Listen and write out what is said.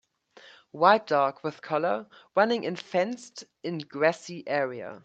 White dog with collar running in fenced in grassy area